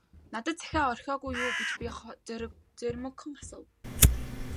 - Надад захиа орхиогүй юу гэж би зоримогхон асуув.